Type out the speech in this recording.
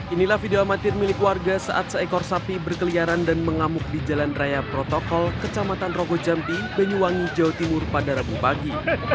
inilah video amatir milik warga saat seekor sapi berkeliaran dan mengamuk di jalan raya protokol kecamatan rogo jampi banyuwangi jawa timur pada rabu pagi